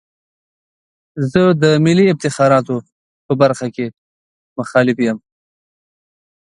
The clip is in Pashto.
زه د ملي افتخاراتو په برخه کې مخالف یم.